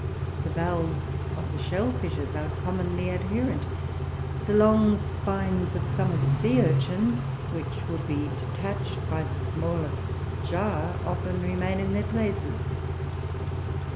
The valves of the shell fishes are commonly adherent; the long spines of some of the sea urchins, which would be detached by the smallest jar, often remain in their places.